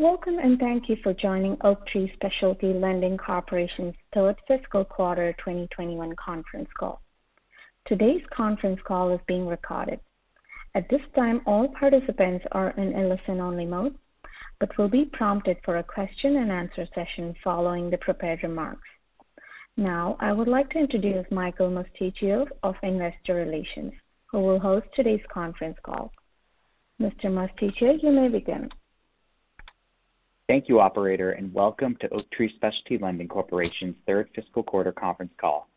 Welcome and thank you for joining Oaktree Specialty Lending Corporation's third fiscal quarter 2021 conference call. Today's conference call is being recorded. At this time, all participants are in a listen-only mode but will be prompted for a question and answer session following the prepared remarks. Now, I would like to introduce Michael Mosticchio of Investor Relations, who will host today's conference call. Mr. Mosticchio, you may begin. Thank you, operator, and welcome to Oaktree Specialty Lending Corporation's third fiscal quarter conference call.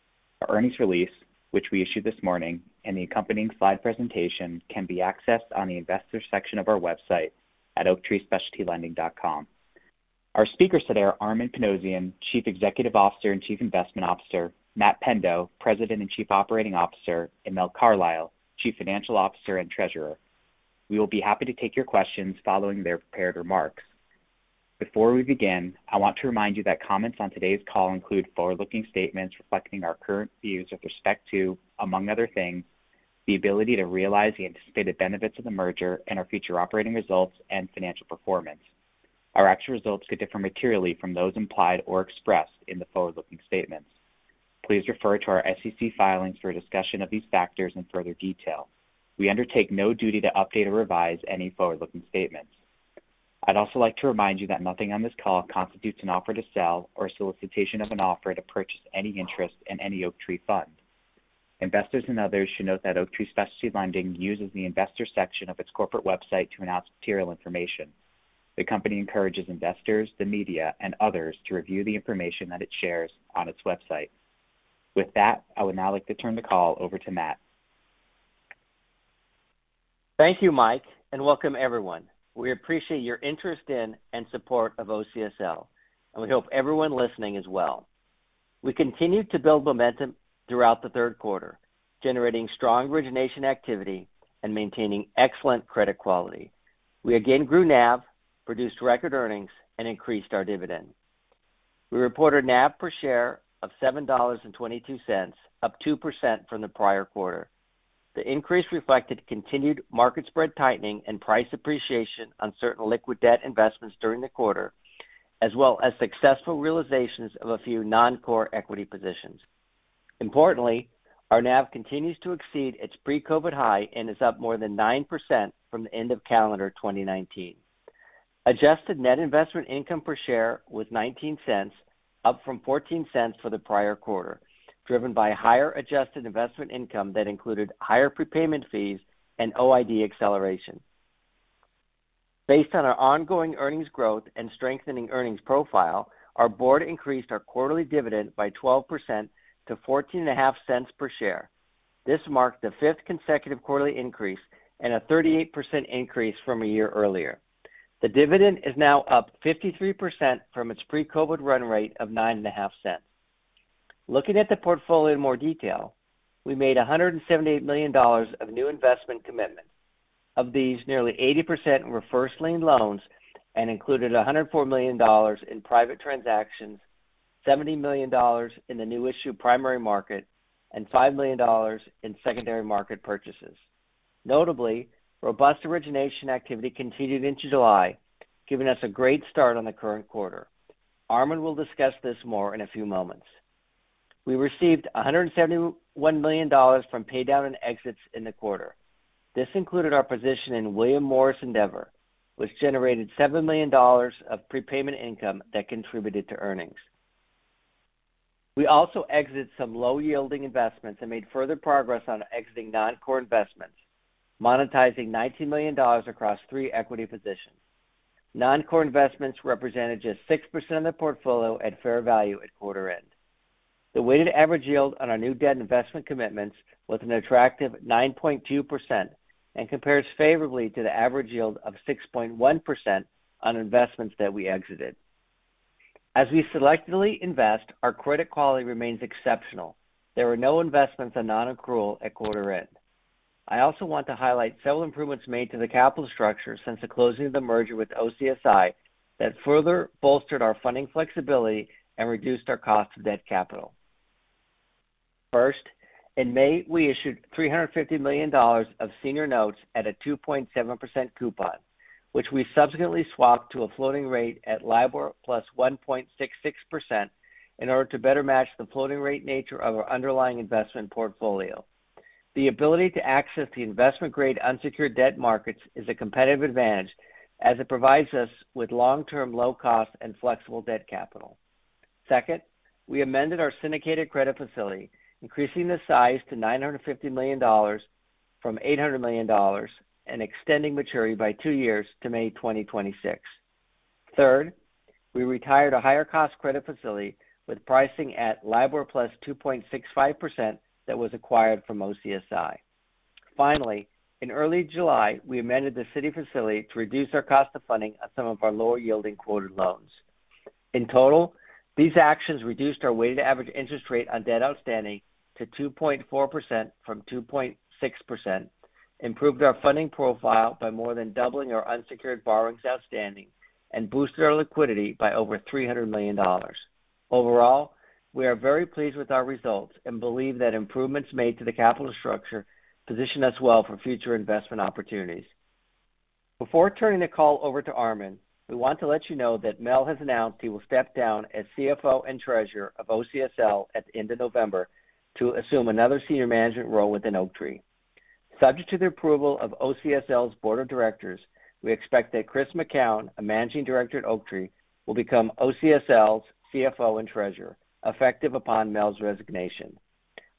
Our earnings release, which we issued this morning, and the accompanying slide presentation can be accessed on the investors section of our website at oaktreespecialtylending.com. Our speakers today are Armen Panossian, Chief Executive Officer and Chief Investment Officer, Matt Pendo, President and Chief Operating Officer, and Mel Carlisle, Chief Financial Officer and Treasurer. We will be happy to take your questions following their prepared remarks. Before we begin, I want to remind you that comments on today's call include forward-looking statements reflecting our current views with respect to, among other things, the ability to realize the anticipated benefits of the merger and our future operating results and financial performance. Our actual results could differ materially from those implied or expressed in the forward-looking statements. Please refer to our SEC filings for a discussion of these factors in further detail. We undertake no duty to update or revise any forward-looking statements. I'd also like to remind you that nothing on this call constitutes an offer to sell or a solicitation of an offer to purchase any interest in any Oaktree fund. Investors and others should note that Oaktree Specialty Lending uses the investor section of its corporate website to announce material information. The company encourages investors, the media, and others to review the information that it shares on its website. With that, I would now like to turn the call over to Matt. Thank you, Mike, and welcome everyone. We appreciate your interest in and support of OCSL, and we hope everyone listening is well. We continued to build momentum throughout the third quarter, generating strong origination activity and maintaining excellent credit quality. We again grew NAV, produced record earnings, and increased our dividend. We reported NAV per share of $7.22, up 2% from the prior quarter. The increase reflected continued market spread tightening and price appreciation on certain liquid debt investments during the quarter, as well as successful realizations of a few non-core equity positions. Importantly, our NAV continues to exceed its pre-COVID high and is up more than 9% from the end of calendar 2019. Adjusted net investment income per share was $0.19, up from $0.14 for the prior quarter, driven by higher adjusted investment income that included higher prepayment fees and OID acceleration. Based on our ongoing earnings growth and strengthening earnings profile, our board increased our quarterly dividend by 12% to $0.145 per share. This marked the fifth consecutive quarterly increase and a 38% increase from a year earlier. The dividend is now up 53% from its pre-COVID run rate of $0.095. Looking at the portfolio in more detail, we made $178 million of new investment commitments. Of these, nearly 80% were first lien loans and included $104 million in private transactions, $70 million in the new issue primary market, and $5 million in secondary market purchases. Notably, robust origination activity continued into July, giving us a great start on the current quarter. Armen will discuss this more in a few moments. We received $171 million from paydown and exits in the quarter. This included our position in William Morris Endeavor, which generated $7 million of prepayment income that contributed to earnings. We also exited some low-yielding investments and made further progress on exiting non-core investments, monetizing $90 million across three equity positions. Non-core investments represented just 6% of the portfolio at fair value at quarter end. The weighted average yield on our new debt investment commitments was an attractive 9.2% and compares favorably to the average yield of 6.1% on investments that we exited. As we selectively invest, our credit quality remains exceptional. There were no investments on non-accrual at quarter end. I also want to highlight several improvements made to the capital structure since the closing of the merger with OCSI that further bolstered our funding flexibility and reduced our cost of debt capital. First, in May, we issued $350 million of senior notes at a 2.7% coupon, which we subsequently swapped to a floating rate at LIBOR +1.66% in order to better match the floating rate nature of our underlying investment portfolio. The ability to access the investment-grade unsecured debt markets is a competitive advantage as it provides us with long-term, low cost, and flexible debt capital. Second, we amended our syndicated credit facility, increasing the size to $950 million from $800 million and extending maturity by two years to May 2026. Third, we retired a higher-cost credit facility with pricing at LIBOR +2.65% that was acquired from OCSI. Finally, in early July, we amended the Citi facility to reduce our cost of funding on some of our lower-yielding quoted loans. In total, these actions reduced our weighted average interest rate on debt outstanding to 2.4% from 2.6%, improved our funding profile by more than doubling our unsecured borrowings outstanding, and boosted our liquidity by over $300 million. We are very pleased with our results and believe that improvements made to the capital structure position us well for future investment opportunities. Before turning the call over to Armen, we want to let you know that Mel has announced he will step down as CFO and Treasurer of OCSL at the end of November to assume another senior management role within Oaktree. Subject to the approval of OCSL's board of directors, we expect that Christopher McKown, a Managing Director at Oaktree, will become OCSL's CFO and Treasurer, effective upon Mel's resignation.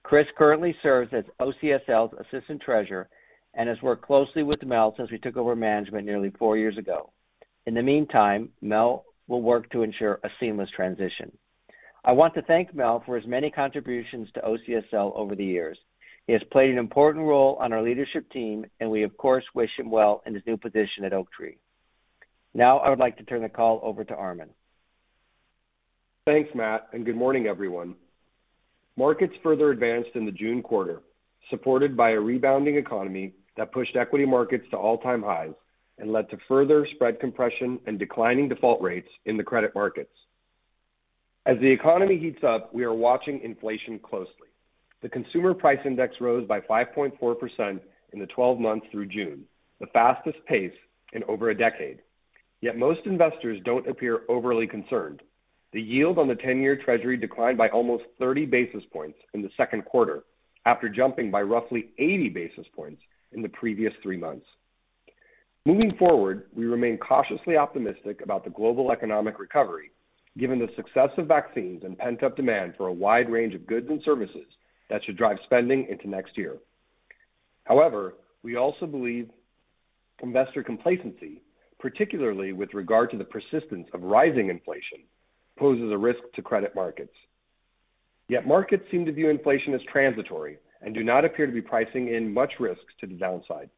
Chris currently serves as OCSL's Assistant Treasurer and has worked closely with Mel since we took over management nearly four years ago. In the meantime, Mel will work to ensure a seamless transition. I want to thank Mel for his many contributions to OCSL over the years. He has played an important role on our leadership team, and we of course, wish him well in his new position at Oaktree. I would like to turn the call over to Armen. Thanks, Matt, and good morning, everyone. Markets further advanced in the June quarter, supported by a rebounding economy that pushed equity markets to all-time highs and led to further spread compression and declining default rates in the credit markets. As the economy heats up, we are watching inflation closely. The consumer price index rose by 5.4% in the 12 months through June, the fastest pace in over a decade. Yet most investors don't appear overly concerned. The yield on the 10-year Treasury declined by almost 30 basis points in the second quarter after jumping by roughly 80 basis points in the previous three months. Moving forward, we remain cautiously optimistic about the global economic recovery, given the success of vaccines and pent-up demand for a wide range of goods and services that should drive spending into next year. However, we also believe investor complacency, particularly with regard to the persistence of rising inflation, poses a risk to credit markets. Markets seem to view inflation as transitory and do not appear to be pricing in much risks to the downside.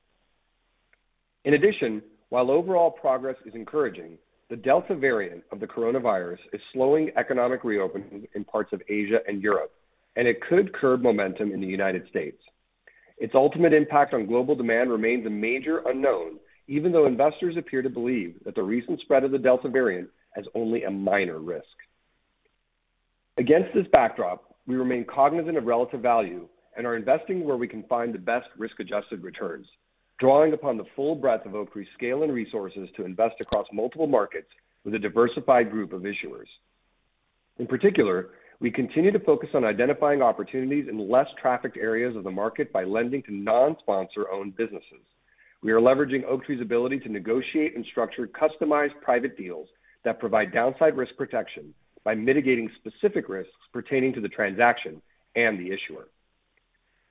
While overall progress is encouraging, the Delta variant of the coronavirus is slowing economic reopenings in parts of Asia and Europe, and it could curb momentum in the U.S. Its ultimate impact on global demand remains a major unknown, even though investors appear to believe that the recent spread of the Delta variant has only a minor risk. Against this backdrop, we remain cognizant of relative value and are investing where we can find the best risk-adjusted returns, drawing upon the full breadth of Oaktree scale and resources to invest across multiple markets with a diversified group of issuers. In particular, we continue to focus on identifying opportunities in less trafficked areas of the market by lending to non-sponsor-owned businesses. We are leveraging Oaktree's ability to negotiate and structure customized private deals that provide downside risk protection by mitigating specific risks pertaining to the transaction and the issuer.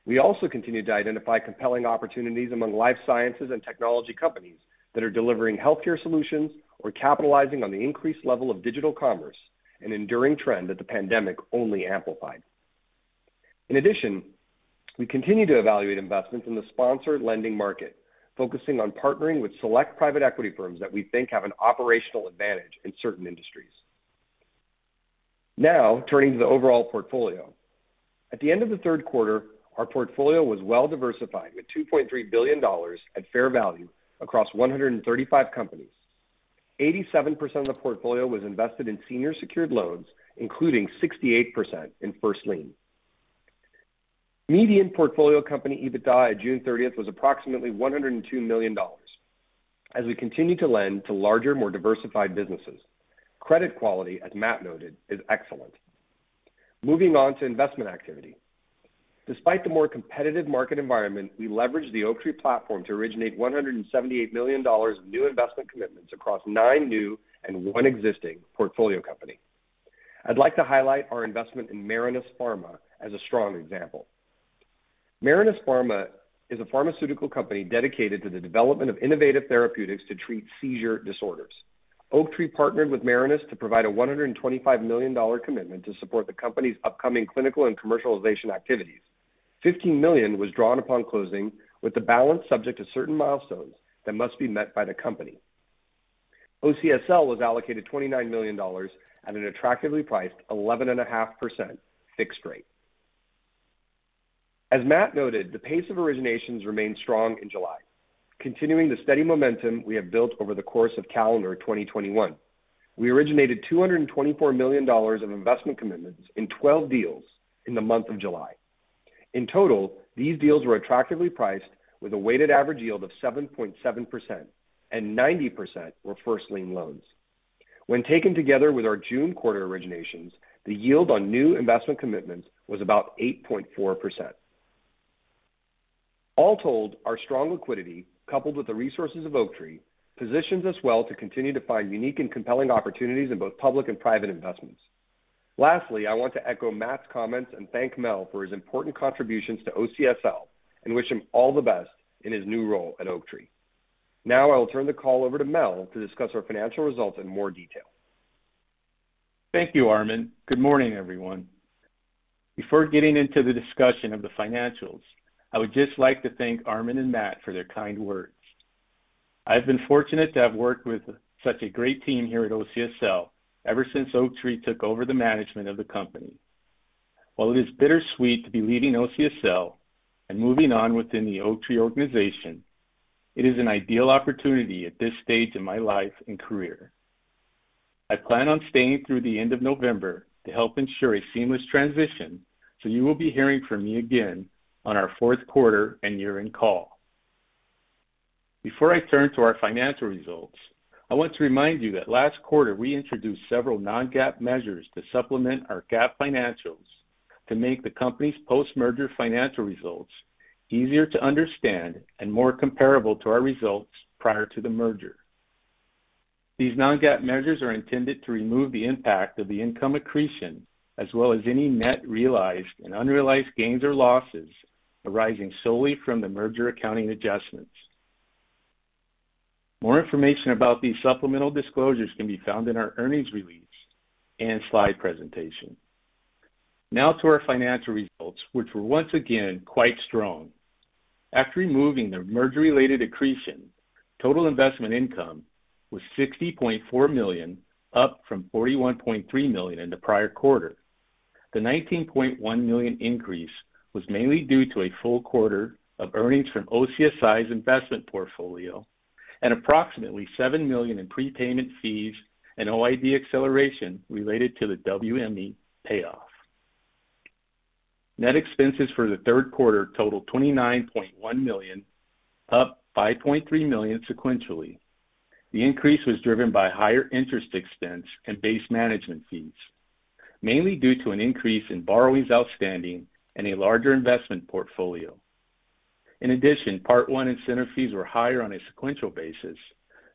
We also continue to identify compelling opportunities among life sciences and technology companies that are delivering healthcare solutions or capitalizing on the increased level of digital commerce, an enduring trend that the pandemic only amplified. In addition, we continue to evaluate investments in the sponsored lending market, focusing on partnering with select private equity firms that we think have an operational advantage in certain industries. Now turning to the overall portfolio. At the end of the third quarter, our portfolio was well-diversified with $2.3 billion at fair value across 135 companies. 87% of the portfolio was invested in senior secured loans, including 68% in first lien. Median portfolio company EBITDA at June 30th was approximately $102 million as we continue to lend to larger, more diversified businesses. Credit quality, as Matt noted, is excellent. Moving on to investment activity. Despite the more competitive market environment, we leveraged the Oaktree platform to originate $178 million new investment commitments across nine new and one existing portfolio company. I'd like to highlight our investment in Marinus Pharma as a strong example. Marinus Pharma is a pharmaceutical company dedicated to the development of innovative therapeutics to treat seizure disorders. Oaktree partnered with Marinus to provide a $125 million commitment to support the company's upcoming clinical and commercialization activities. $15 million was drawn upon closing, with the balance subject to certain milestones that must be met by the company. OCSL was allocated $29 million at an attractively priced 11.5% fixed rate. As Matt noted, the pace of originations remained strong in July, continuing the steady momentum we have built over the course of calendar 2021. We originated $224 million of investment commitments in 12 deals in the month of July. In total, these deals were attractively priced with a weighted average yield of 7.7%, and 90% were first-lien loans. When taken together with our June quarter originations, the yield on new investment commitments was about 8.4%. All told, our strong liquidity, coupled with the resources of Oaktree Capital Management, positions us well to continue to find unique and compelling opportunities in both public and private investments. Lastly, I want to echo Matt Pendo's comments and thank Mel Carlisle for his important contributions to OCSL and wish him all the best in his new role at Oaktree Capital Management. I will turn the call over to Mel to discuss our financial results in more detail. Thank you, Armen. Good morning, everyone. Before getting into the discussion of the financials, I would just like to thank Armen and Matt for their kind words. I've been fortunate to have worked with such a great team here at OCSL ever since Oaktree took over the management of the company. While it is bittersweet to be leaving OCSL and moving on within the Oaktree organization, it is an ideal opportunity at this stage in my life and career. I plan on staying through the end of November to help ensure a seamless transition. You will be hearing from me again on our fourth quarter and year-end call. Before I turn to our financial results, I want to remind you that last quarter we introduced several non-GAAP measures to supplement our GAAP financials to make the company's post-merger financial results easier to understand and more comparable to our results prior to the merger. These non-GAAP measures are intended to remove the impact of the income accretion as well as any net realized and unrealized gains or losses arising solely from the merger accounting adjustments. More information about these supplemental disclosures can be found in our earnings release and slide presentation. To our financial results, which were once again quite strong. After removing the merger-related accretion, total investment income was $60.4 million, up from $41.3 million in the prior quarter. The $19.1 million increase was mainly due to a full quarter of earnings from OCSL's investment portfolio and approximately $7 million in prepayment fees and OID acceleration related to the WME payoff. Net expenses for the third quarter totaled $29.1 million, up $5.3 million sequentially. The increase was driven by higher interest expense and base management fees, mainly due to an increase in borrowings outstanding and a larger investment portfolio. In addition, Part I incentive fees were higher on a sequential basis,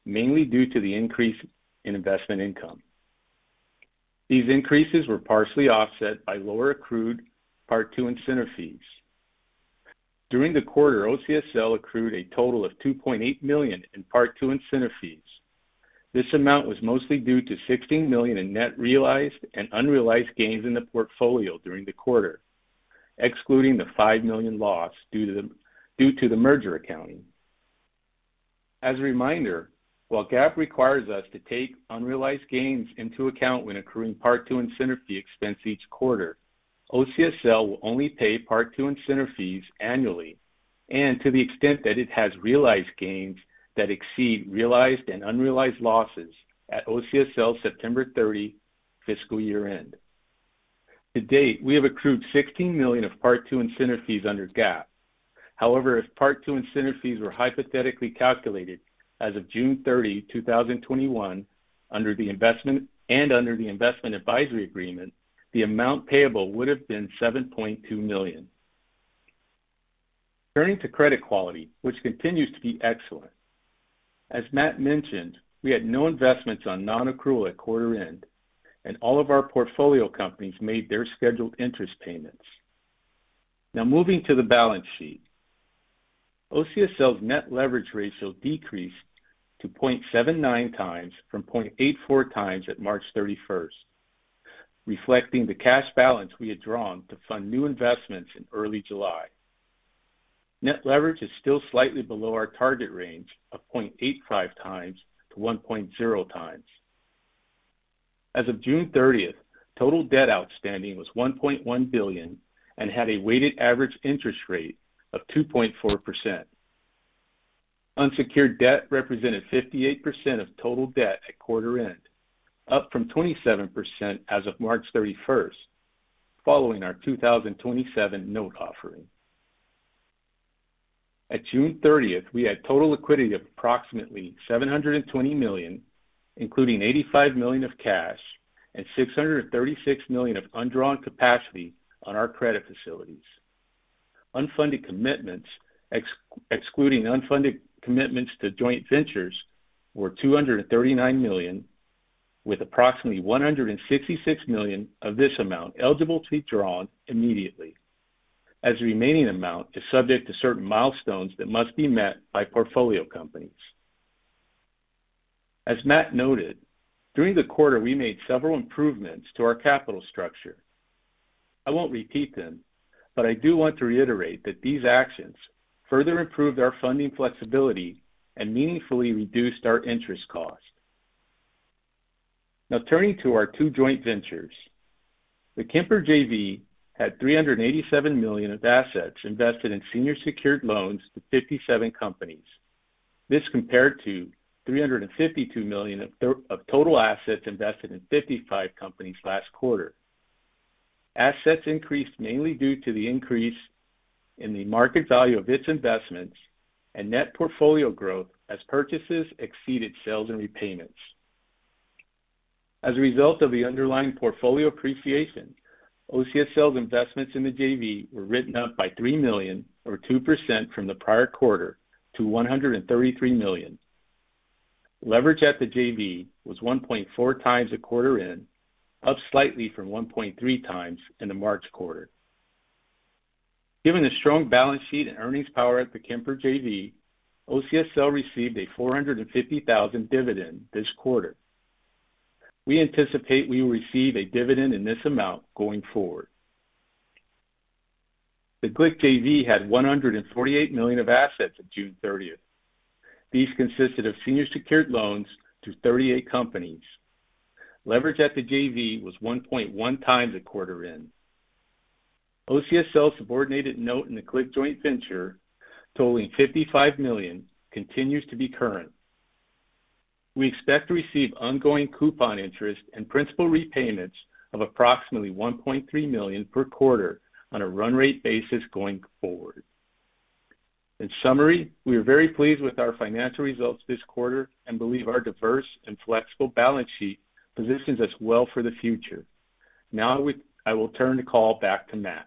mainly due to the increase in investment income. These increases were partially offset by lower accrued Part II incentive fees. During the quarter, OCSL accrued a total of $2.8 million in Part II incentive fees. This amount was mostly due to $16 million in net realized and unrealized gains in the portfolio during the quarter, excluding the $5 million loss due to the merger accounting. As a reminder, while GAAP requires us to take unrealized gains into account when accruing Part II incentive fee expense each quarter, OCSL will only pay Part II incentive fees annually and to the extent that it has realized gains that exceed realized and unrealized losses at OCSL's September 30 fiscal year-end. To date, we have accrued $16 million of Part II incentive fees under GAAP. However, if Part II incentive fees were hypothetically calculated as of June 30, 2021 and under the investment advisory agreement, the amount payable would've been $7.2 million. Turning to credit quality, which continues to be excellent. As Matt mentioned, we had no investments on non-accrual at quarter end, and all of our portfolio companies made their scheduled interest payments. Now moving to the balance sheet. OCSL's net leverage ratio decreased to 0.79x from 0.84x at March 31st, reflecting the cash balance we had drawn to fund new investments in early July. Net leverage is still slightly below our target range of 0.85x to 1.0x. As of June 30th, total debt outstanding was $1.1 billion and had a weighted average interest rate of 2.4%. Unsecured debt represented 58% of total debt at quarter end, up from 27% as of March 31st, following our 2027 note offering. At June 30th, we had total liquidity of approximately $720 million, including $85 million of cash and $636 million of undrawn capacity on our credit facilities. Unfunded commitments, excluding unfunded commitments to joint ventures, were $239 million, with approximately $166 million of this amount eligible to be drawn immediately, as the remaining amount is subject to certain milestones that must be met by portfolio companies. As Matt noted, during the quarter, we made several improvements to our capital structure. I won't repeat them. I do want to reiterate that these actions further improved our funding flexibility and meaningfully reduced our interest cost. Turning to our two joint ventures. The Kemper JV had $387 million of assets invested in senior secured loans to 57 companies. This compared to $352 million of total assets invested in 55 companies last quarter. Assets increased mainly due to the increase in the market value of its investments and net portfolio growth as purchases exceeded sales and repayments. As a result of the underlying portfolio appreciation, OCSL's investments in the JV were written up by $3 million or 2% from the prior quarter to $133 million. Leverage at the JV was 1.4x at quarter end, up slightly from 1.3x in the March quarter. Given the strong balance sheet and earnings power at the Kemper JV, OCSL received a $450,000 dividend this quarter. We anticipate we will receive a dividend in this amount going forward. The Glick JV had $148 million of assets at June 30th. These consisted of senior secured loans to 38 companies. Leverage at the JV was 1.1x at quarter end. OCSL subordinated note in the Glick joint venture totaling $55 million continues to be current. We expect to receive ongoing coupon interest and principal repayments of approximately $1.3 million per quarter on a run rate basis going forward. In summary, we are very pleased with our financial results this quarter and believe our diverse and flexible balance sheet positions us well for the future. Now I will turn the call back to Matt.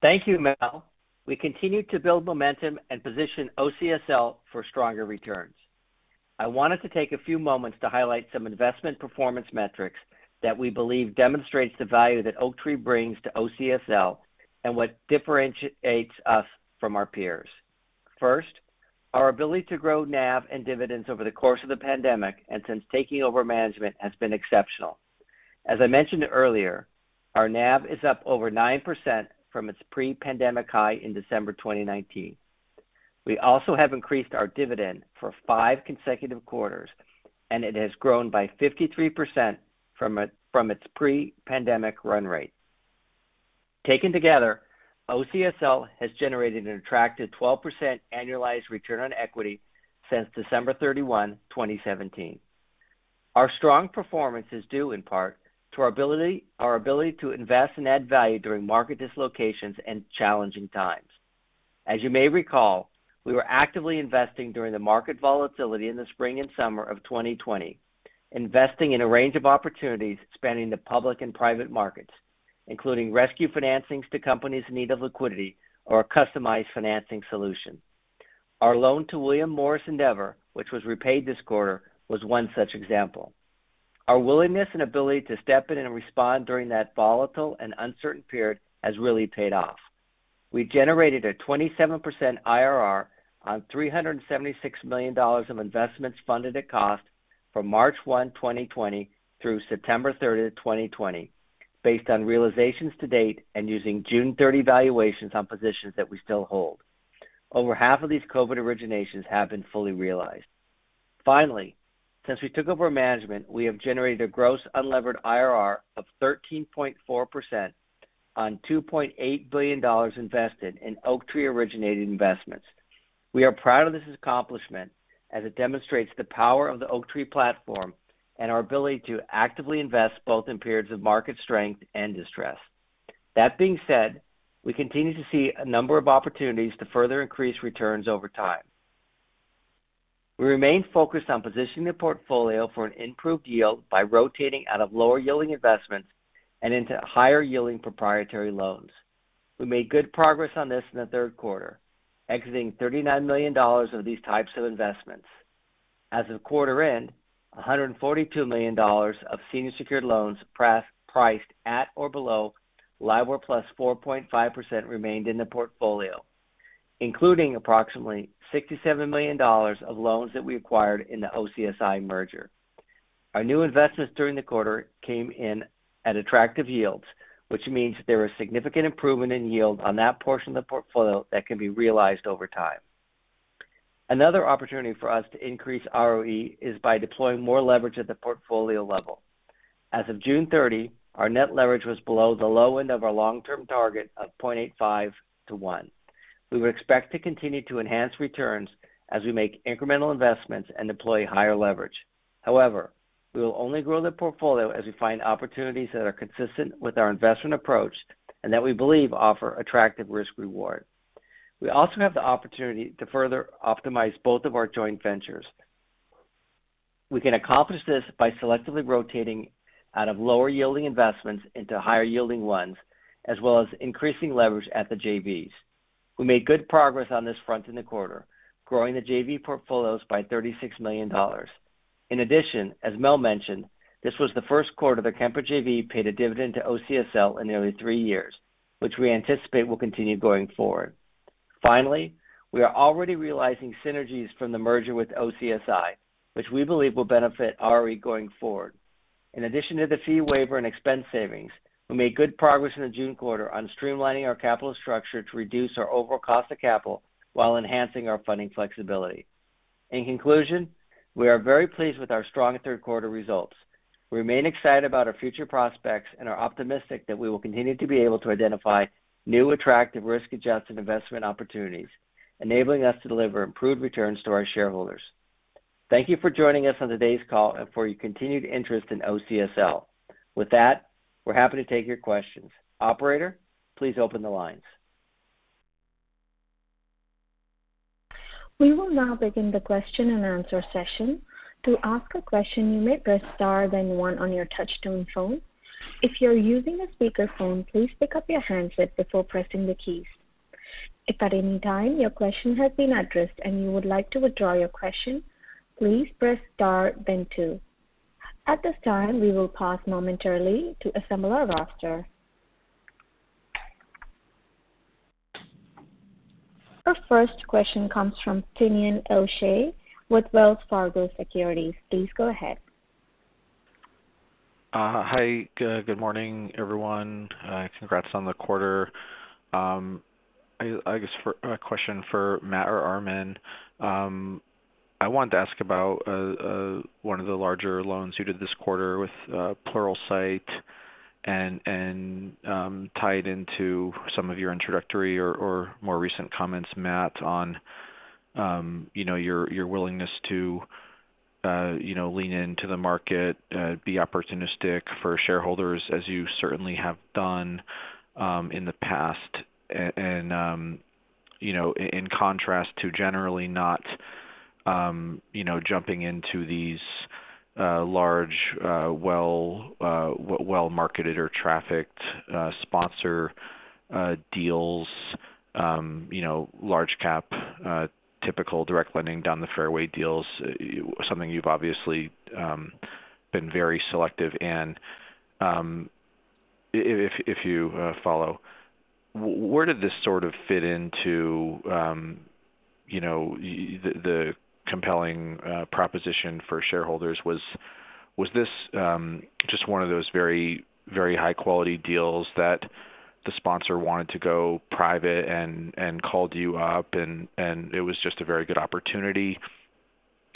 Thank you, Mel. We continue to build momentum and position OCSL for stronger returns. I wanted to take a few moments to highlight some investment performance metrics that we believe demonstrates the value that Oaktree brings to OCSL and what differentiates us from our peers. First, our ability to grow NAV and dividends over the course of the pandemic and since taking over management has been exceptional. As I mentioned earlier, our NAV is up over 9% from its pre-pandemic high in December 2019. We also have increased our dividend for five consecutive quarters, and it has grown by 53% from its pre-pandemic run rate. Taken together, OCSL has generated an attractive 12% annualized return on equity since December 31, 2017. Our strong performance is due in part to our ability to invest and add value during market dislocations and challenging times. As you may recall, we were actively investing during the market volatility in the spring and summer of 2020, investing in a range of opportunities spanning the public and private markets, including rescue financings to companies in need of liquidity or a customized financing solution. Our loan to William Morris Endeavor, which was repaid this quarter, was one such example. Our willingness and ability to step in and respond during that volatile and uncertain period has really paid off. We generated a 27% IRR on $376 million of investments funded at cost from March 1, 2020, through September 30, 2020, based on realizations to date and using June 30 valuations on positions that we still hold. Over half of these COVID originations have been fully realized. Finally, since we took over management, we have generated a gross unlevered IRR of 13.4% on $2.8 billion invested in Oaktree-originated investments. We are proud of this accomplishment as it demonstrates the power of the Oaktree platform and our ability to actively invest both in periods of market strength and distress. That being said, we continue to see a number of opportunities to further increase returns over time. We remain focused on positioning the portfolio for an improved yield by rotating out of lower-yielding investments and into higher-yielding proprietary loans. We made good progress on this in the third quarter, exiting $39 million of these types of investments. As of quarter end, $142 million of senior secured loans priced at or below LIBOR +4.5% remained in the portfolio, including approximately $67 million of loans that we acquired in the OCSL merger. Our new investments during the quarter came in at attractive yields, which means there is significant improvement in yield on that portion of the portfolio that can be realized over time. Another opportunity for us to increase ROE is by deploying more leverage at the portfolio level. As of June 30, our net leverage was below the low end of our long-term target of 0.85x to 1x. We would expect to continue to enhance returns as we make incremental investments and deploy higher leverage. However, we will only grow the portfolio as we find opportunities that are consistent with our investment approach and that we believe offer attractive risk-reward. We also have the opportunity to further optimize both of our joint ventures. We can accomplish this by selectively rotating out of lower-yielding investments into higher-yielding ones, as well as increasing leverage at the JVs. We made good progress on this front in the quarter, growing the JV portfolios by $36 million. In addition, as Mel mentioned, this was the first quarter that Kemper JV paid a dividend to OCSL in nearly three years, which we anticipate will continue going forward. Finally, we are already realizing synergies from the merger with OCSI, which we believe will benefit ROE going forward. In addition to the fee waiver and expense savings, we made good progress in the June quarter on streamlining our capital structure to reduce our overall cost of capital while enhancing our funding flexibility. In conclusion, we are very pleased with our strong third quarter results. We remain excited about our future prospects and are optimistic that we will continue to be able to identify new, attractive risk-adjusted investment opportunities, enabling us to deliver improved returns to our shareholders. Thank you for joining us on today's call and for your continued interest in OCSL. With that, we're happy to take your questions. Operator, please open the lines. Our first question comes from Finian O'Shea with Wells Fargo Securities. Please go ahead. Hi, good morning, everyone. Congrats on the quarter. I guess a question for Matt or Armen. I wanted to ask about one of the larger loans you did this quarter with Pluralsight and tie it into some of your introductory or more recent comments, Matt, on your willingness to lean into the market, be opportunistic for shareholders as you certainly have done in the past. In contrast to generally not jumping into these large, well-marketed or trafficked sponsor deals. Large cap, typical direct lending down the fairway deals, something you've obviously been very selective in. If you follow, where did this sort of fit into the compelling proposition for shareholders? Was this just one of those very high-quality deals that the sponsor wanted to go private and called you up and it was just a very good opportunity?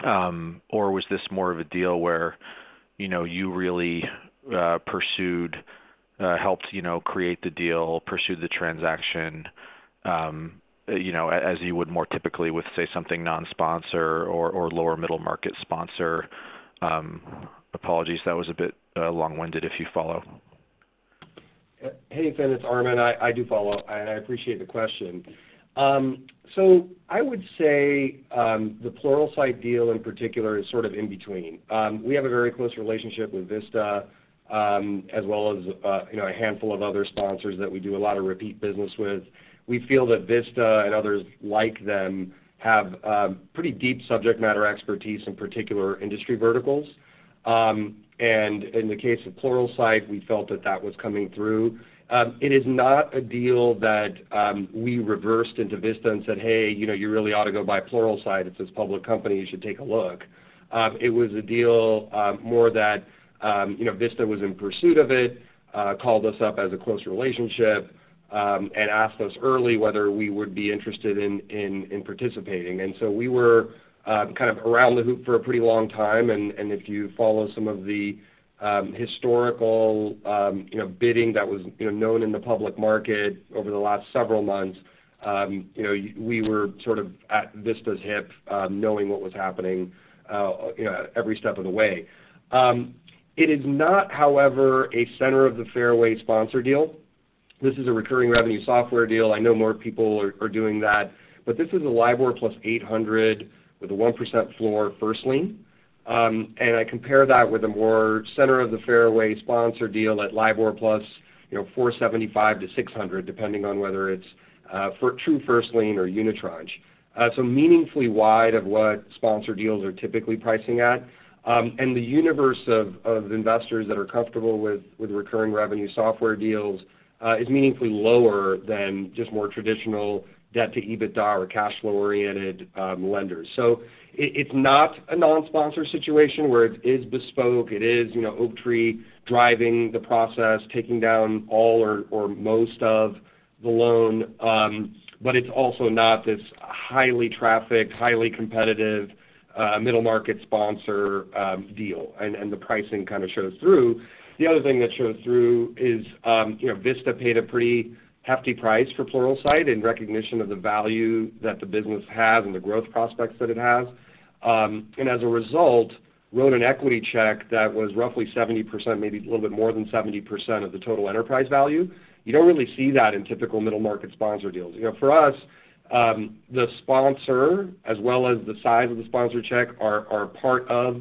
Was this more of a deal where you really helped create the deal, pursued the transaction as you would more typically with, say, something non-sponsor or lower middle-market sponsor? Apologies, that was a bit long-winded, if you follow. Hey, Fin, it's Armen. I do follow up and I appreciate the question. I would say the Pluralsight deal in particular is sort of in between. We have a very close relationship with Vista, as well as a handful of other sponsors that we do a lot of repeat business with. We feel that Vista and others like them have pretty deep subject matter expertise in particular industry verticals. In the case of Pluralsight, we felt that that was coming through. It is not a deal that we reversed into Vista and said, hey, you really ought to go buy Pluralsight. It's this public company. You should take a look. It was a deal more that Vista was in pursuit of it, called us up as a close relationship, and asked us early whether we would be interested in participating. We were kind of around the hoop for a pretty long time, and if you follow some of the historical bidding that was known in the public market over the last several months, we were sort of at Vista's hip, knowing what was happening every step of the way. It is not, however, a center of the fairway sponsor deal. This is a recurring revenue software deal. I know more people are doing that, but this is a LIBOR +800 basis points with a 1% floor first lien. I compare that with a more center of the fairway sponsor deal at LIBOR +475 to 600 basis points, depending on whether it's true first lien or unitranche. Meaningfully wide of what sponsor deals are typically pricing at. The universe of investors that are comfortable with recurring revenue software deals is meaningfully lower than just more traditional debt to EBITDA or cash flow-oriented lenders. It's not a non-sponsor situation where it is bespoke, it is Oaktree driving the process, taking down all or most of the loan. It's also not this highly trafficked, highly competitive middle-market sponsor deal. The pricing kind of shows through. The other thing that shows through is Vista paid a pretty hefty price for Pluralsight in recognition of the value that the business has and the growth prospects that it has. As a result, wrote an equity check that was roughly 70%, maybe a little bit more than 70% of the total enterprise value. You don't really see that in typical middle-market sponsor deals. For us, the sponsor, as well as the size of the sponsor check, are part of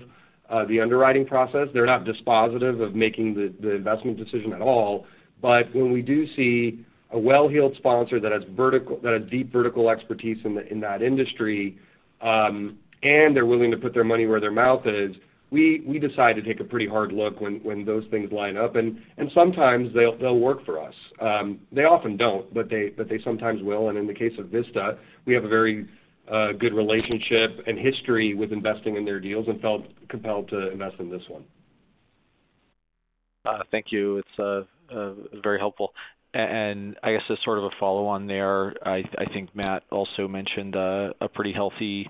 the underwriting process. They're not dispositive of making the investment decision at all. When we do see a well-heeled sponsor that has deep vertical expertise in that industry, and they're willing to put their money where their mouth is, we decide to take a pretty hard look when those things line up. Sometimes they'll work for us. They often don't, but they sometimes will. In the case of Vista, we have a very good relationship and history with investing in their deals and felt compelled to invest in this one. Thank you. It's very helpful. I guess as sort of a follow on there, I think Matt also mentioned a pretty healthy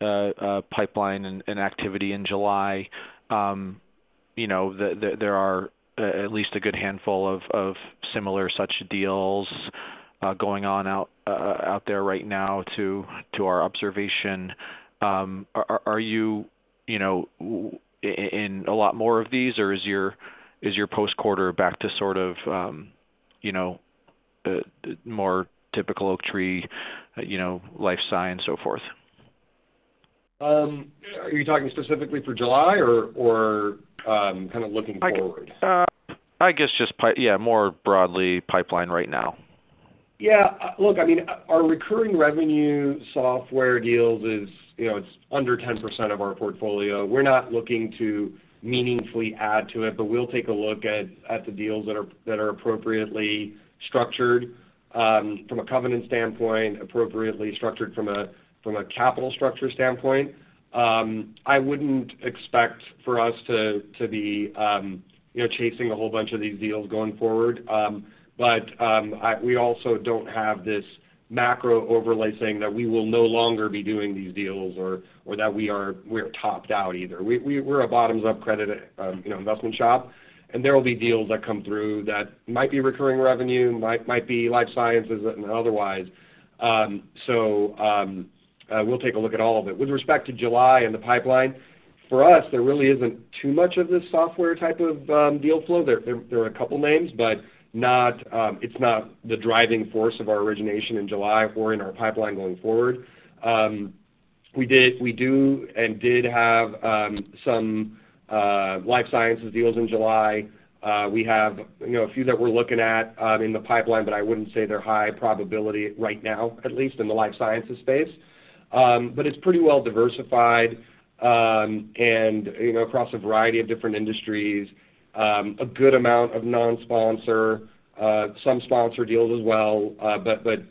pipeline and activity in July. There are at least a good handful of similar such deals going on out there right now to our observation. Are you in a lot more of these, or is your post quarter back to sort of more typical Oaktree life cycle and so forth? Are you talking specifically for July or kind of looking forward? I guess just, yeah, more broadly pipeline right now. Yeah. Look, our recurring revenue software deals is under 10% of our portfolio. We're not looking to meaningfully add to it, but we'll take a look at the deals that are appropriately structured from a covenant standpoint, appropriately structured from a capital structure standpoint. I wouldn't expect for us to be chasing a whole bunch of these deals going forward. We also don't have this macro overlay saying that we will no longer be doing these deals or that we are topped out either. We're a bottoms-up credit investment shop, and there will be deals that come through that might be recurring revenue, might be life sciences and otherwise. We'll take a look at all of it. With respect to July and the pipeline, for us, there really isn't too much of this software type of deal flow. There are a couple names, but it's not the driving force of our origination in July or in our pipeline going forward. We do and did have some life sciences deals in July. We have a few that we're looking at in the pipeline, but I wouldn't say they're high probability right now, at least in the life sciences space. It's pretty well diversified and across a variety of different industries. A good amount of non-sponsor, some sponsor deals as well, but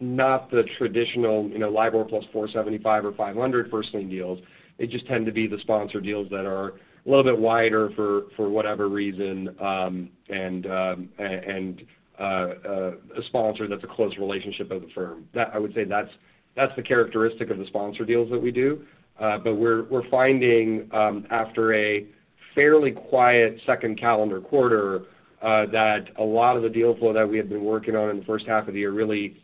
not the traditional, LIBOR +475 or 500 basis points first lien deals. They just tend to be the sponsor deals that are a little bit wider for whatever reason, and a sponsor that's a close relationship with the firm. I would say that's the characteristic of the sponsor deals that we do. We're finding, after a fairly quiet second calendar quarter, that a lot of the deal flow that we had been working on in the first half of the year really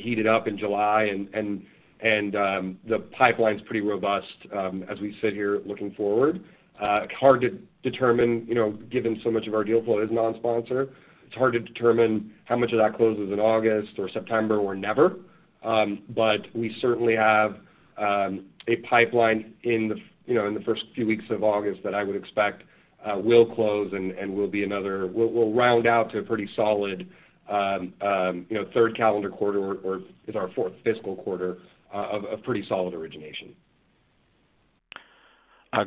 heated up in July, and the pipeline's pretty robust as we sit here looking forward. Given so much of our deal flow is non-sponsor, it's hard to determine how much of that closes in August or September or never. We certainly have a pipeline in the first few weeks of August that I would expect will close and will round out to a pretty solid third calendar quarter or is our fourth fiscal quarter of a pretty solid origination.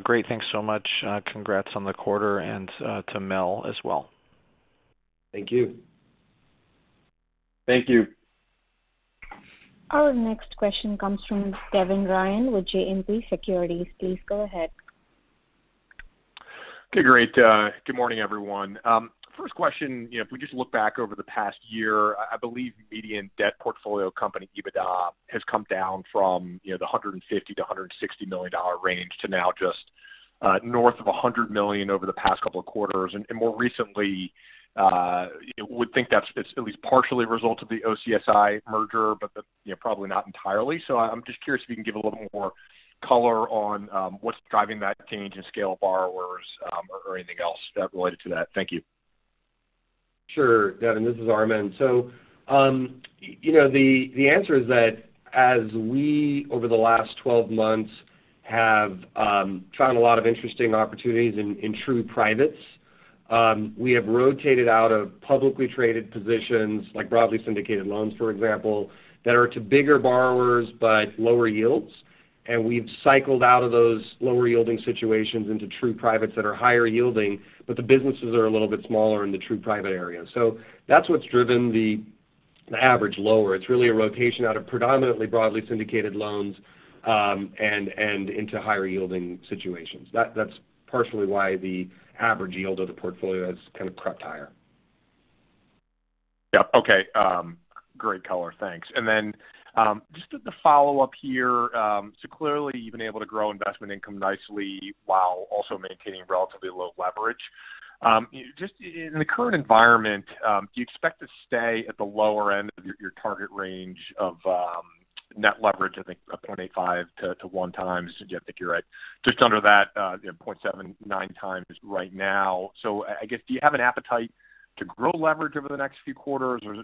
Great. Thanks so much. Congrats on the quarter and to Mel as well. Thank you. Thank you. Our next question comes from Devin Ryan with JMP Securities. Please go ahead. Okay, great. Good morning, everyone. First question. If we just look back over the past year, I believe median debt portfolio company EBITDA has come down from the $150 million-$160 million range to now just north of $100 million over the past couple of quarters. More recently, would think that it's at least partially a result of the OCSL merger, but probably not entirely. I'm just curious if you can give a little more color on what's driving that change in scale borrowers or anything else related to that. Thank you. Sure, Devin. This is Armen. The answer is that as we, over the last 12 months, have found a lot of interesting opportunities in true privates. We have rotated out of publicly traded positions, like broadly syndicated loans, for example, that are to bigger borrowers but lower yields. We've cycled out of those lower-yielding situations into true privates that are higher yielding, but the businesses are a little bit smaller in the true private area. That's what's driven the average lower. It's really a rotation out of predominantly broadly syndicated loans, and into higher-yielding situations. That's partially why the average yield of the portfolio has kind of crept higher. Yeah. Okay. Great color. Thanks. Just the follow-up here. Clearly you've been able to grow investment income nicely while also maintaining relatively low leverage. Just in the current environment, do you expect to stay at the lower end of your target range of net leverage, I think of 0.85x-1.0x, if I think you're right. Just under that, 0.79x right now. I guess, do you have an appetite to grow leverage over the next few quarters, or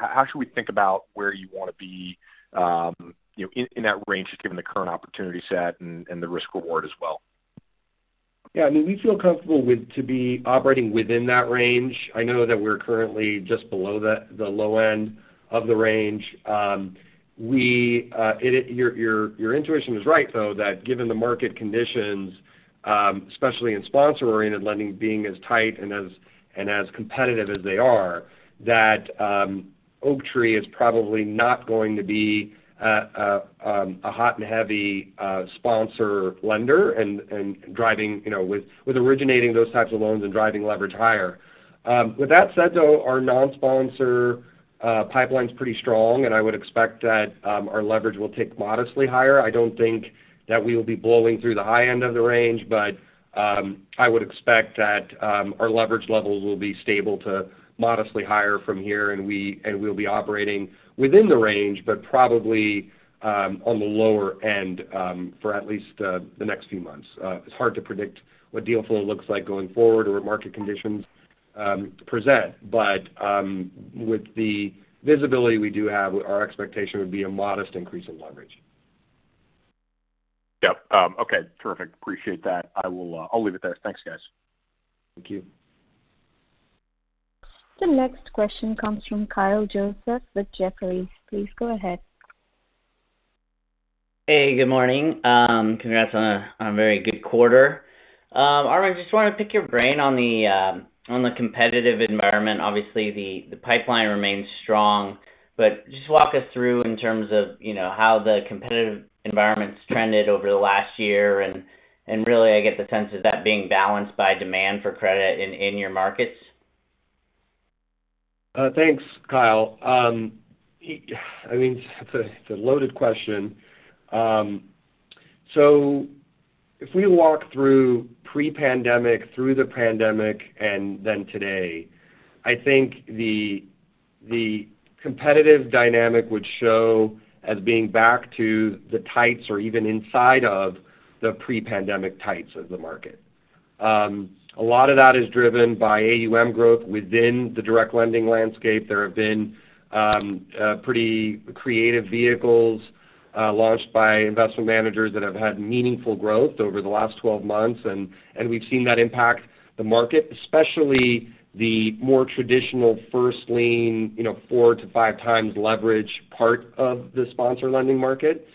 how should we think about where you want to be in that range, just given the current opportunity set and the risk reward as well? Yeah. We feel comfortable to be operating within that range. I know that we're currently just below the low end of the range. Your intuition is right, though, that given the market conditions, especially in sponsor-oriented lending being as tight and as competitive as they are, that Oaktree is probably not going to be a hot and heavy sponsor lender with originating those types of loans and driving leverage higher. With that said, though, our non-sponsor pipeline's pretty strong, and I would expect that our leverage will tick modestly higher. I don't think that we will be blowing through the high end of the range, but I would expect that our leverage levels will be stable to modestly higher from here, and we'll be operating within the range, but probably on the lower end for at least the next few months. It's hard to predict what deal flow looks like going forward or what market conditions present. With the visibility we do have, our expectation would be a modest increase in leverage. Yep. Okay, terrific. Appreciate that. I'll leave it there. Thanks, guys. Thank you. The next question comes from Kyle Joseph with Jefferies. Please go ahead. Hey, good morning. Congrats on a very good quarter. Armen, just want to pick your brain on the competitive environment. Obviously, the pipeline remains strong, but just walk us through in terms of how the competitive environment's trended over the last year and really I get the sense of that being balanced by demand for credit in your markets. Thanks, Kyle. It's a loaded question. If we walk through pre-pandemic, through the pandemic, and then today, I think the competitive dynamic would show as being back to the tights or even inside of the pre-pandemic tights of the market. A lot of that is driven by AUM growth within the direct lending landscape. There have been pretty creative vehicles launched by investment managers that have had meaningful growth over the last 12 months, and we've seen that impact the market, especially the more traditional first lien four to five times leverage part of the sponsor lending market.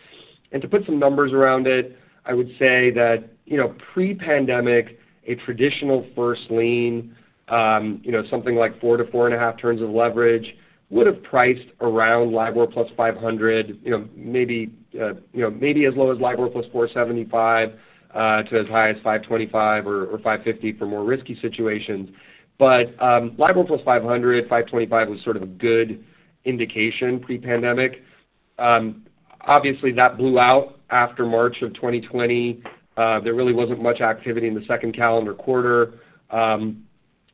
To put some numbers around it, I would say that pre-pandemic, a traditional first lien something like four to four and a half turns of leverage would've priced around LIBOR +500 basis points, maybe as low as LIBOR +475 basis points, to as high as 525 or 550 basis points for more risky situations. LIBOR +500 basis points, 525 basis points was sort of a good indication pre-pandemic. Obviously, that blew out after March of 2020. There really wasn't much activity in the second calendar quarter.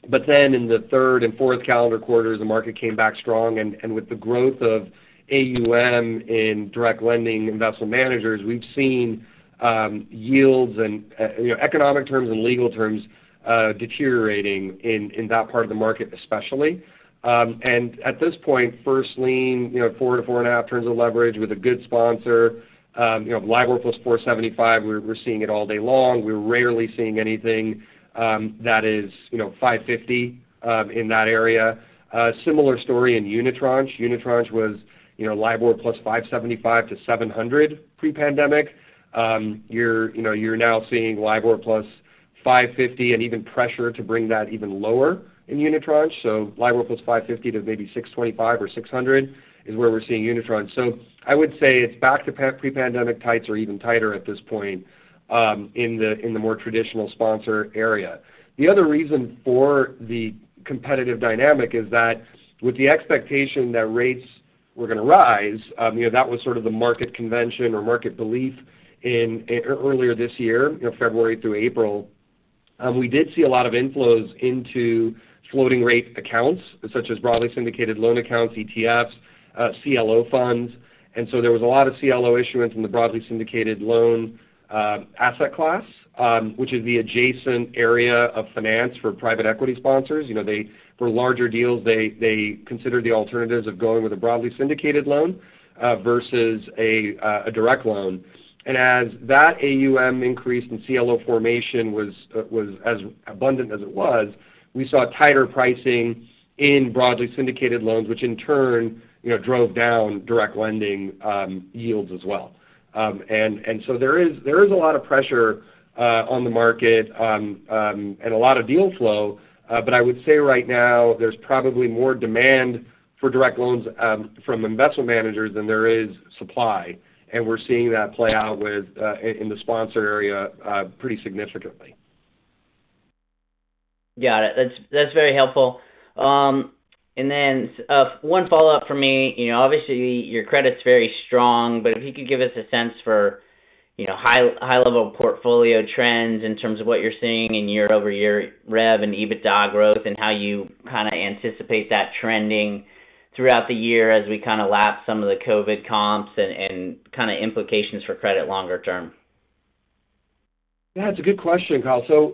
In the third and fourth calendar quarters, the market came back strong, and with the growth of AUM in direct lending investment managers, we've seen yields and economic terms and legal terms deteriorating in that part of the market especially. At this point, first lien 4x to 4.5x of leverage with a good sponsor LIBOR +475 basis points, we're seeing it all day long. We're rarely seeing anything that is 550 basis points in that area. A similar story in unitranche. Unitranche was LIBOR +575 to 700 basis points pre-pandemic. You're now seeing LIBOR +550 basis point and even pressure to bring that even lower in unitranche. LIBOR +550 basis points to maybe 625 or 600 basis points is where we're seeing unitranche. I would say it's back to pre-pandemic tights or even tighter at this point in the more traditional sponsor area. The other reason for the competitive dynamic is that with the expectation that rates were going to rise that was sort of the market convention or market belief earlier this year, February through April. We did see a lot of inflows into floating rate accounts, such as broadly syndicated loan accounts, ETFs, CLO funds. There was a lot of CLO issuance in the broadly syndicated loan asset class, which is the adjacent area of finance for private equity sponsors. For larger deals, they consider the alternatives of going with a broadly syndicated loan versus a direct loan. As that AUM increase in CLO formation was as abundant as it was, we saw tighter pricing in broadly syndicated loans, which in turn drove down direct lending yields as well. There is a lot of pressure on the market and a lot of deal flow. I would say right now there's probably more demand for direct loans from investment managers than there is supply. We're seeing that play out in the sponsor area pretty significantly. Got it. That's very helpful. Then one follow-up from me. Obviously, your credit's very strong, if you could give us a sense for high level portfolio trends in terms of what you're seeing in year-over-year rev and EBITDA growth and how you kind of anticipate that trending throughout the year as we kind of lap some of the COVID comps and kind of implications for credit longer term. Yeah, it's a good question, Kyle. This was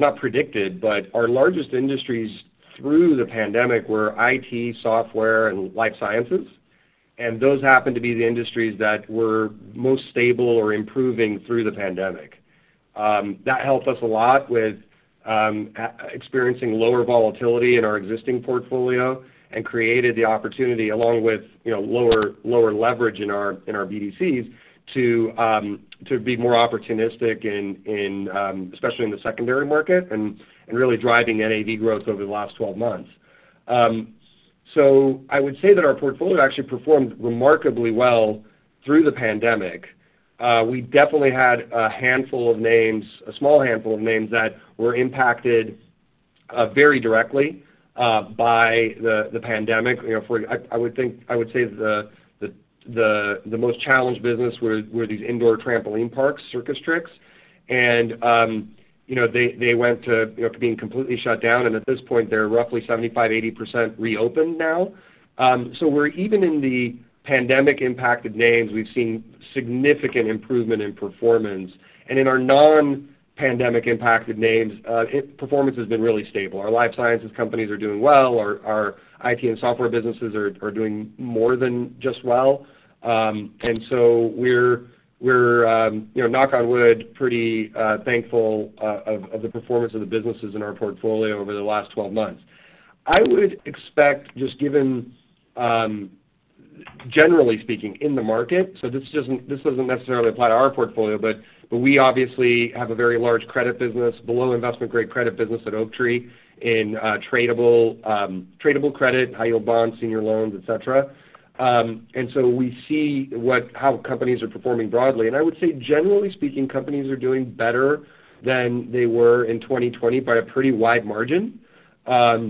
not predicted, but our largest industries through the pandemic were IT, software, and life sciences. Those happen to be the industries that were most stable or improving through the pandemic. That helped us a lot with experiencing lower volatility in our existing portfolio and created the opportunity along with lower leverage in our BDCs to be more opportunistic especially in the secondary market and really driving NAV growth over the last 12 months. I would say that our portfolio actually performed remarkably well through the pandemic. We definitely had a small handful of names that were impacted very directly by the pandemic. I would say the most challenged business were these indoor trampoline parks, CircusTrix. They went to being completely shut down, and at this point, they're roughly 75%, 80% reopened now. We're even in the pandemic impacted names, we've seen significant improvement in performance. In our non-pandemic impacted names, performance has been really stable. Our life sciences companies are doing well. Our IT and software businesses are doing more than just well. We're, knock on wood, pretty thankful of the performance of the businesses in our portfolio over the last 12 months. I would expect, just given, generally speaking, in the market, this doesn't necessarily apply to our portfolio, but we obviously have a very large credit business, below investment grade credit business at Oaktree in tradable credit, high yield bonds, senior loans, et cetera. We see how companies are performing broadly. I would say, generally speaking, companies are doing better than they were in 2020 by a pretty wide margin. As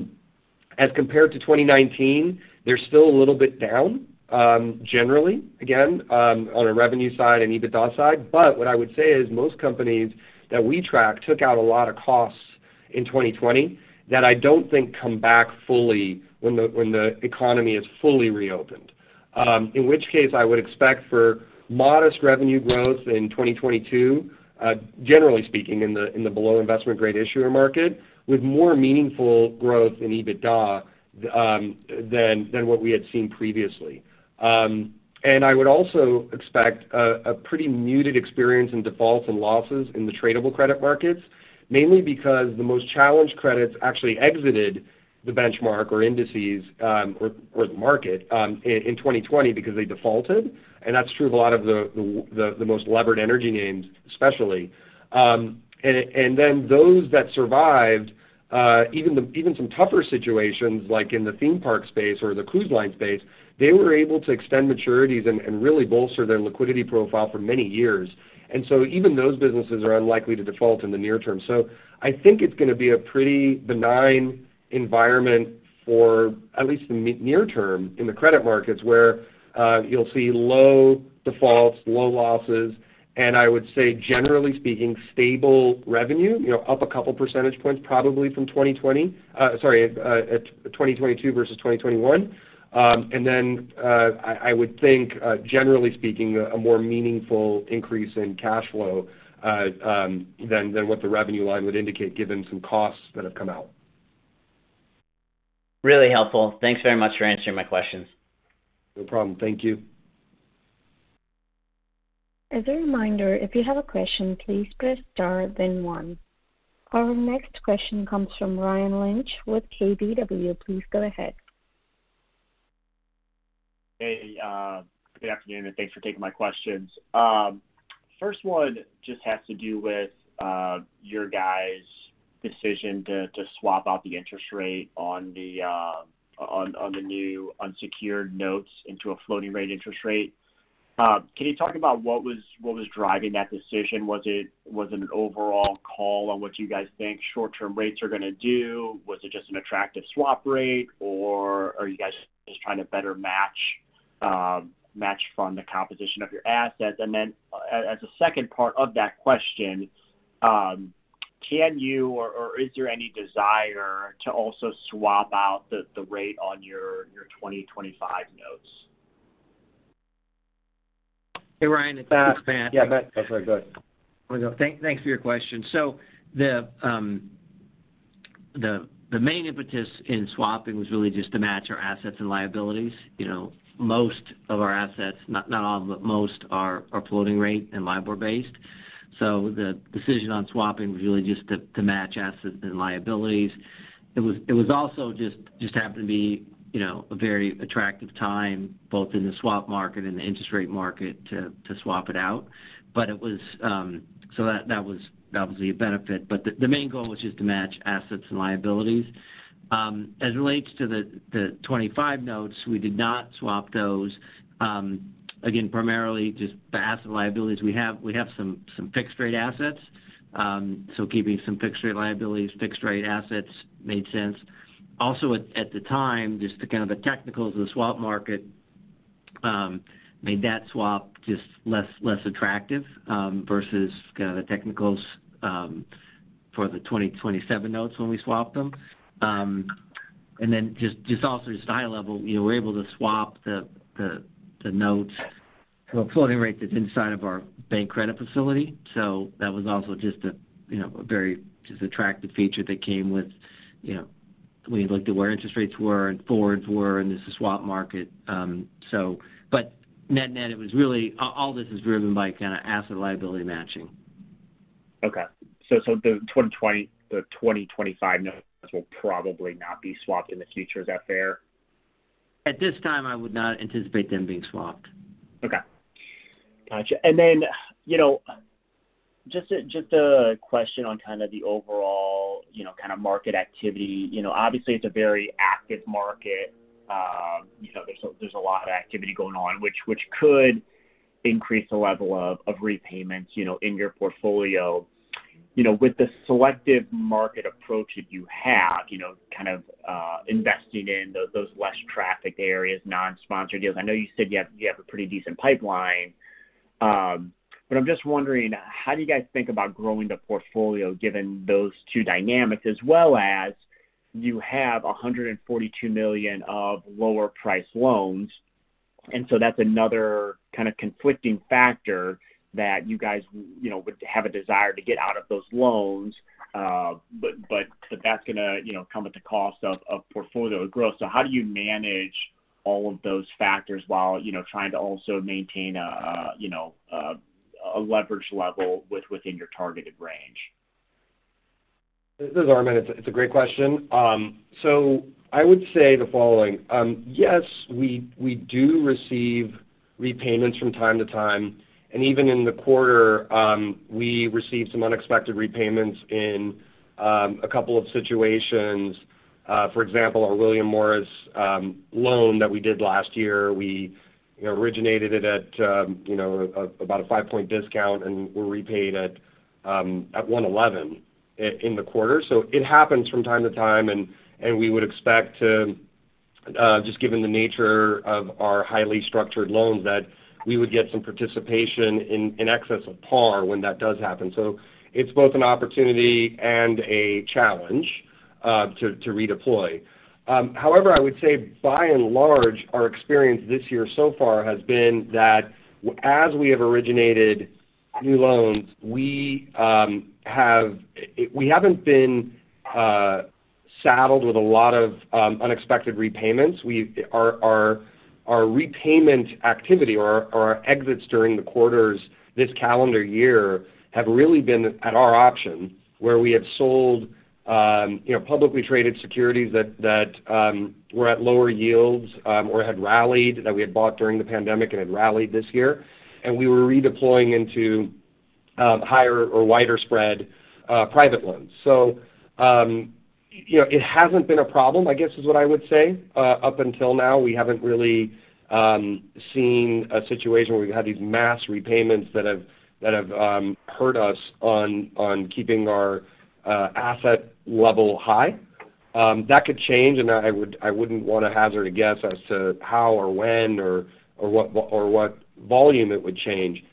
compared to 2019, they're still a little bit down, generally, again, on a revenue side and EBITDA side. What I would say is most companies that we track took out a lot of costs in 2020 that I don't think come back fully when the economy is fully reopened. In which case, I would expect for modest revenue growth in 2022, generally speaking, in the below investment grade issuer market, with more meaningful growth in EBITDA than what we had seen previously. I would also expect a pretty muted experience in defaults and losses in the tradable credit markets, mainly because the most challenged credits actually exited the benchmark or indices, or the market in 2020 because they defaulted. That's true of a lot of the most levered energy names especially. Those that survived, even some tougher situations like in the theme park space or the cruise line space, they were able to extend maturities and really bolster their liquidity profile for many years. Even those businesses are unlikely to default in the near term. I think it's going to be a pretty benign environment for at least the near term in the credit markets, where you'll see low defaults, low losses, and I would say generally speaking, stable revenue, up a couple percentage points probably from 2020. Sorry, 2022 versus 2021. I would think, generally speaking, a more meaningful increase in cash flow than what the revenue line would indicate given some costs that have come out. Really helpful. Thanks very much for answering my questions. No problem. Thank you. As a reminder, if you have a question, please press star then one. Our next question comes from Ryan Lynch with KBW. Please go ahead. Hey. Good afternoon, and thanks for taking my questions. 1st one just has to do with your guys' decision to swap out the interest rate on the new unsecured notes into a floating rate interest rate. Can you talk about what was driving that decision? Was it an overall call on what you guys think short-term rates are going to do? Was it just an attractive swap rate, or are you guys just trying to better match fund the composition of your assets? Then as a 2nd part of that question, can you, or is there any desire to also swap out the rate on your 2025 notes? Hey, Ryan. It's Matt. Yeah. Matt, that's very good. Thanks for your question. The main impetus in swapping was really just to match our assets and liabilities. Most of our assets, not all of them, but most are floating rate and LIBOR based. The decision on swapping was really just to match assets and liabilities. It was also just happened to be a very attractive time both in the swap market and the interest rate market to swap it out. That was obviously a benefit. The main goal was just to match assets and liabilities. As it relates to the 2025 notes, we did not swap those. Again, primarily just the asset liabilities. We have some fixed rate assets. Keeping some fixed rate liabilities, fixed rate assets made sense. At the time, just kind of the technicals of the swap market made that swap just less attractive versus the technicals for the 2027 notes when we swapped them. Then just also just high level, we were able to swap the notes to a floating rate that's inside of our bank credit facility. That was also just a very attractive feature. We looked at where interest rates were and forwards were, and this is swap market. Net-net, all this is driven by kind of asset liability matching. Okay. The 2025 notes will probably not be swapped in the future. Is that fair? At this time, I would not anticipate them being swapped. Okay. Got you. Just a question on kind of the overall kind of market activity. Obviously it's a very active market. There's a lot of activity going on, which could increase the level of repayments in your portfolio. With the selective market approach that you have, kind of investing in those less trafficked areas, non-sponsored deals. I know you said you have a pretty decent pipeline. I'm just wondering, how do you guys think about growing the portfolio given those two dynamics, as well as you have $142 million of lower priced loans. That's another kind of conflicting factor that you guys would have a desire to get out of those loans. That's going to come at the cost of portfolio growth. How do you manage all of those factors while trying to also maintain a leverage level within your targeted range? This is Armen. It's a great question. I would say the following. Yes, we do receive repayments from time to time, and even in the quarter, we received some unexpected repayments in a couple of situations. For example, our William Morris loan that we did last year, we originated it at about a 5-point discount, and were repaid at 1.11% in the quarter. It happens from time to time, and we would expect, just given the nature of our highly structured loans, that we would get some participation in excess of par when that does happen. It's both an opportunity and a challenge to redeploy. However, I would say by and large, our experience this year so far has been that as we have originated new loans, we haven't been saddled with a lot of unexpected repayments. Our repayment activity or our exits during the quarters this calendar year have really been at our option, where we have sold publicly traded securities that were at lower yields or had rallied, that we had bought during the pandemic and had rallied this year. We were redeploying into higher or wider spread private loans. It hasn't been a problem, I guess, is what I would say. Up until now, we haven't really seen a situation where we've had these mass repayments that have hurt us on keeping our asset level high. That could change, and I wouldn't want to hazard a guess as to how or when or what volume it would change.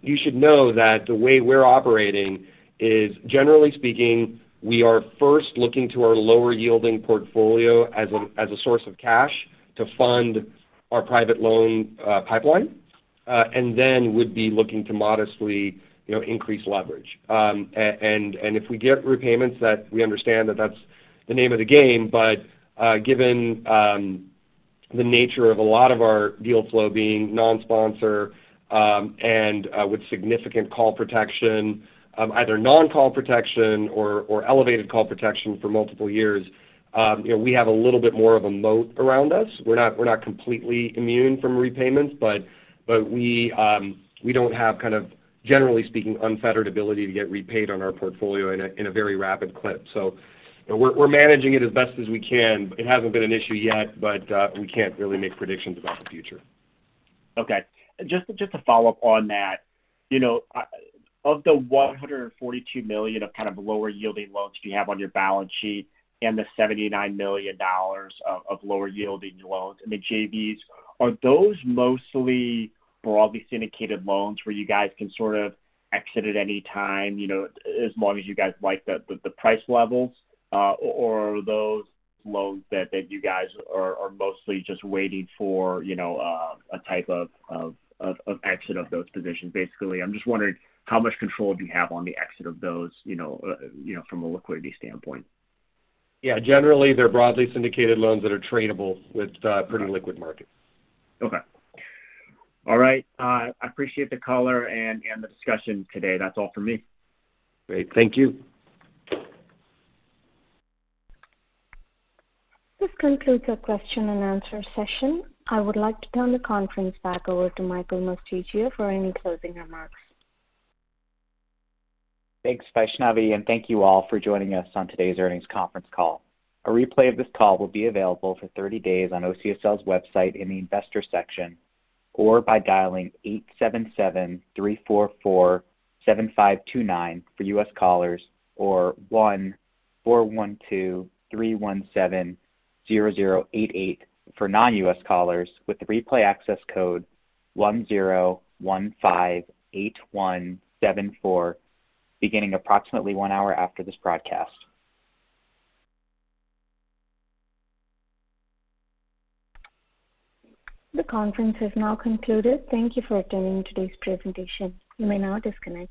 You should know that the way we're operating is, generally speaking, we are first looking to our lower yielding portfolio as a source of cash to fund our private loan pipeline. Would be looking to modestly increase leverage. If we get repayments, we understand that that's the name of the game. Given the nature of a lot of our deal flow being non-sponsor, and with significant call protection, either non-call protection or elevated call protection for multiple years, we have a little bit more of a moat around us. We're not completely immune from repayments, but we don't have kind of, generally speaking, unfettered ability to get repaid on our portfolio in a very rapid clip. We're managing it as best as we can. It hasn't been an issue yet, but we can't really make predictions about the future. Okay. Just to follow up on that, of the $142 million of kind of lower yielding loans you have on your balance sheet and the $79 million of lower yielding loans in the JVs, are those mostly broadly syndicated loans where you guys can sort of exit at any time as long as you guys like the price levels? Or are those loans that you guys are mostly just waiting for a type of exit of those positions? Basically, I'm just wondering how much control do you have on the exit of those from a liquidity standpoint? Yeah, generally, they're broadly syndicated loans that are tradable with pretty liquid markets. Okay. All right. I appreciate the color and the discussion today. That's all for me. Great. Thank you. This concludes our question and answer session. I would like to turn the conference back over to Michael Mosticchio for any closing remarks. Thanks, Vaishnavi, thank you all for joining us on today's earnings conference call. A replay of this call will be available for 30 days on OCSL's website in the Investors section, or by dialing 877-344-7529 for U.S. callers or 1-412-317-0088 for non-U.S. callers, with the replay access code 10158174, beginning approximately one hour after this broadcast. The conference has now concluded. Thank you for attending today's presentation. You may now disconnect.